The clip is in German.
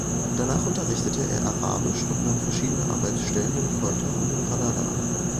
Danach unterrichtete er Arabisch und nahm verschiedene Arbeitsstellen in Ceuta und in Granada an.